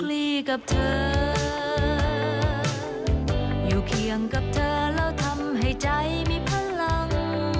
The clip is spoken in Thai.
อยู่เคียงกับเธอแล้วทำให้ใจมีพลัง